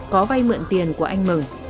có vay mượn tiền của anh mừng